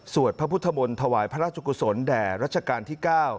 พระพุทธมนต์ถวายพระราชกุศลแด่รัชกาลที่๙